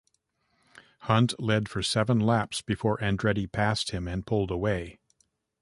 Hunt led for seven laps before Andretti passed him and pulled away.